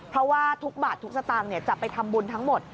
เพราะว่าทุกบาททุกสตางค์จะไปทำบุญทั้งหมด